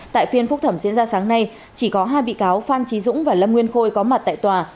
tại phiên phúc thẩm diễn ra sáng nay chỉ có hai bị cáo phan trí dũng và lâm nguyên khôi có mặt tại tòa